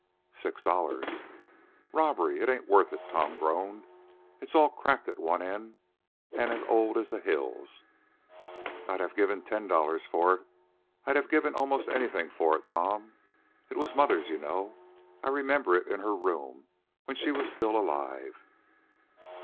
"Six dollars." "Robbery it ain't worth it," Tom groaned. "It's all cracked at one end and as old as the hills." "I'd have given ten dollars for it. I'd have given 'most anything for it, Tom. It was mother's, you know. I remember it in her room when she was still alive."